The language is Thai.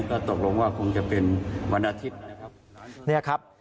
ก็ตกลงว่าคงจะเป็นวันอาทิตย์นะครับ